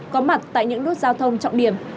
có mặt tại những lút giao thông trọng điểm